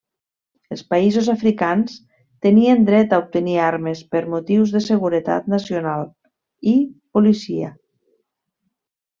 Els països africans tenien dret a obtenir armes per motius de seguretat nacional i policia.